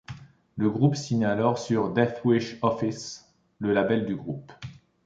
Le groupe signe alors sur Deathwish Office, le label du groupe '.